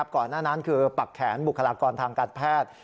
ก่อนหน้านั้นคือปักแขนบุคลากรทางการแพทย์